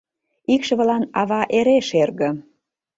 Икшывылан ава эре шерге.